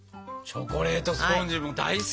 チョコレートスポンジも大好き。